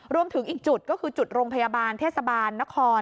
รวมถึงอีกจุดก็คือจุดโรงพยาบาลเทศบาลนคร